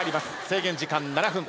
制限時間７分。